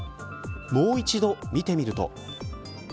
もう一度、見てみると。